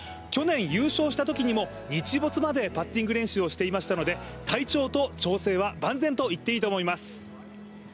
去年優勝したときにも日没までパッティング練習をしていましたので、体調と調整は万全と言っていいと思います。